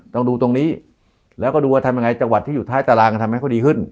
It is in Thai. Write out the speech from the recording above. ต้องดูตรงนี้แล้วก็ดูว่าทำยังไงจังหวัดที่อยู่ท้ายตารางทำให้เขาดีขึ้น